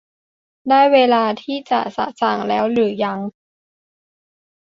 ได้เวลาที่จะสะสางแล้วหรือยัง ?